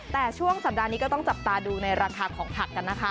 แต่ช่วงสัปดาห์นี้ก็ต้องจับตาดูในราคาของผักกันนะคะ